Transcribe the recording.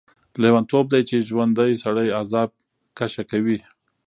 لیونتوب دی چې ژوندی سړی عذاب کشه کوي.